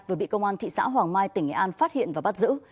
vừa bị công an thị xã hoàng mai tỉnh nghệ an phát hiện và bắt giữ